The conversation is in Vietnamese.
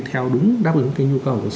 theo đúng đáp ứng cái nhu cầu